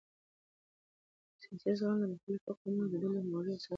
سیاسي زغم د مختلفو قومونو او ډلو د همغږۍ اساس دی